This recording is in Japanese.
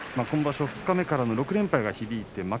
今場所二日目からの６連敗が響きました。